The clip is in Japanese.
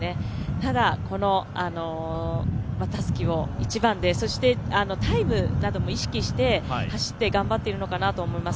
ただ、たすきを１番で、そしてタイムなども意識して走って頑張っているのかなと思います。